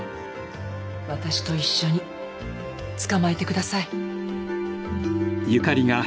わたしと一緒に捕まえてください。